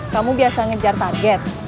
kamu biasa ngejar target